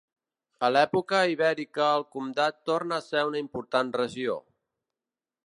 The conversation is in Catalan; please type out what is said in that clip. A l'època ibèrica el Comtat torna a ser una important regió.